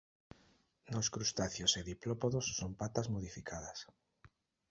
Nos crustáceos e diplópodos son patas modificadas.